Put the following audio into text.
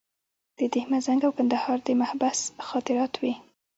د ده مزنګ او کندهار د محبس خاطرات وې.